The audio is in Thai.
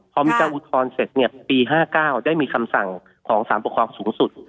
พอมีการอุทธรณ์เสร็จเนี่ยปี๕๙ได้มีคำสั่งของสารปกครองสูงสุด